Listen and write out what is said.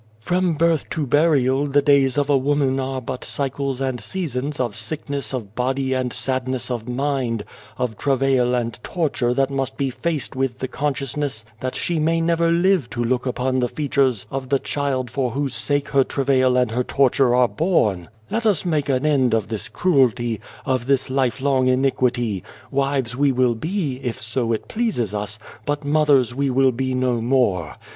"' From birth to burial, the days of a woman are but cycles and seasons of sickness of body and sadness of mind, of travail and torture that must be faced with the consciousness that she may never live to look upon the features of the child for whose sake her travail and her torture are borne. 11 * Let us make an end of this cruelty, of this life long iniquity. Wives we will be, if so it pleases us, but mothers we will be no more.